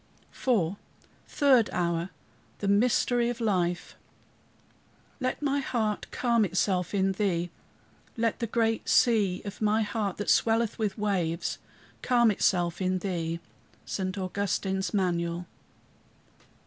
IV THIRD HOUR THE MYSTERY OF LIFE "Let my heart calm itself in thee. Let the great sea of my heart, that swelleth with waves, calm itself in thee." ST. AUGUSTINE'S MANUAL.